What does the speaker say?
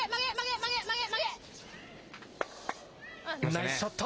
ナイスショット！